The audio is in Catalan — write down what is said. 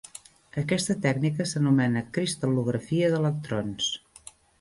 Aquesta tècnica s'anomena cristal·lografia d'electrons.